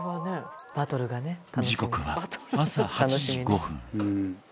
時刻は朝８時５分。